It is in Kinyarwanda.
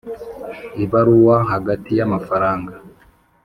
ibaruwa hagati y amafaranga